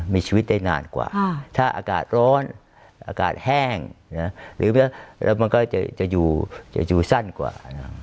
มีชีวิตได้นานกว่าถ้าอากาศร้อนอากาศแห้งหรือมันก็จะอยู่สั้นกว่า